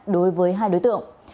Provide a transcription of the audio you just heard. đối với hai đối tượng